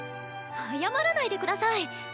謝らないで下さい！